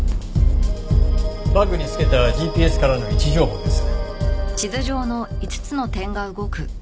バッグにつけたＧＰＳからの位置情報です。